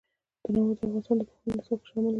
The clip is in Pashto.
تنوع د افغانستان د پوهنې نصاب کې شامل دي.